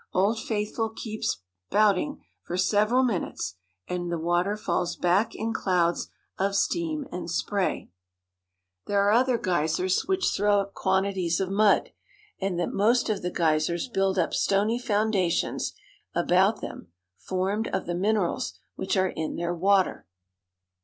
Old Faithful keeps spouting for several minutes, and the water falls back in clouds of steam and spray. There THE GEYSERS. 287 are other geysers which throw up quantities of mud, and the most of the geysers build up stony foundations about them, formed of the minerals which are in their water.